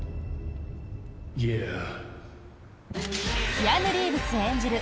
キアヌ・リーブス演じる